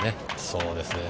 そうですね。